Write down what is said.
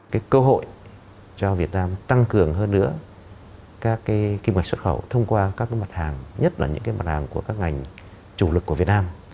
cái cơ hội cho việt nam tăng cường hơn nữa các cái kinh hoạt xuất khẩu thông qua các cái mặt hàng nhất là những cái mặt hàng của các ngành chủ lực của việt nam